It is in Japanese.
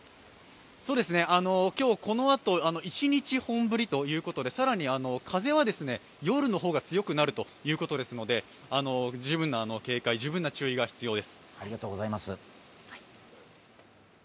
今日このあと１日本降りということで更に風は夜の方が強くなるということですので、十分な警戒、十分な注意が必要です